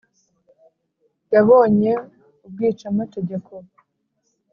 Yabonye ubwicamategeko.